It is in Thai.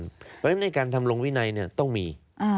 เพราะฉะนั้นในการทำลงวินัยต้องมี